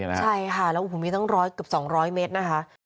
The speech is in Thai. ใช่ค่ะแล้วผมมีตั้ง๑๐๐กับ๒๐๐เมตรนะคะ